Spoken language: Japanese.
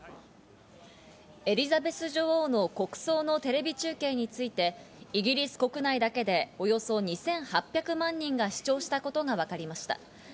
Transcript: エリザベス女王の国葬のテレビ中継について、イギリス国内だけでおよそ２８００万人が視聴したことがわかりました。